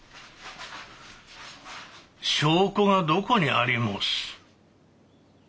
証拠がどこにあり申す？